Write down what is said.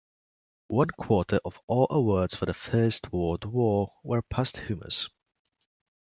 One quarter of all awards for the First World War were posthumous.